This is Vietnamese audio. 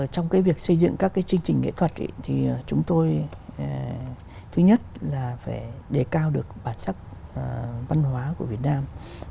trong cái việc xây dựng các cái chương trình nghệ thuật thì chúng tôi thứ nhất là phải đề cao được bản sắc văn hóa của việt nam